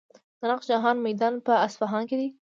د نقش جهان میدان په اصفهان کې دی.